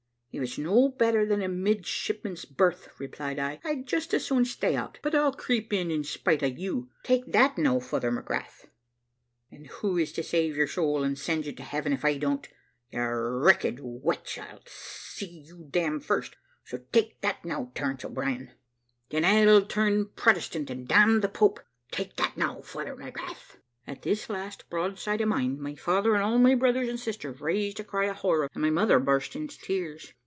"`If it's no better than a midshipman's berth,' replied I, `I'd just as soon stay out; but I'll creep in in spite of you take that now, Father McGrath.' "`And who is to save your soul, and send you to heaven, if I don't, you wicked wretch? but I'll see you damned first so take that now, Terence O'Brien.' "`Then I'll turn Protestant and damn the Pope take that now, Father McGrath.' "At this last broadside of mine, my father and all my brothers and sisters raised a cry of horror, and my mother burst into tears.